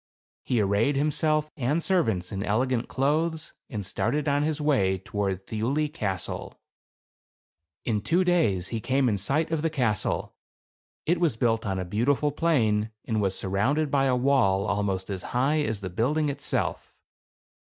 He arrayed himself and servants in ^ elegant clothes, and started on his way toward Thiuli Castle. #The Cattle of Thiuli ^ In two days he came in sight of the castle. It was built on a beautiful plain, and was surrounded by a wall almost as high as the building itself.